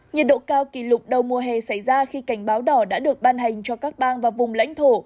nhiệt độ cao kỷ lục đầu mùa hè xảy ra khi cảnh báo đỏ đã được ban hành cho các bang và vùng lãnh thổ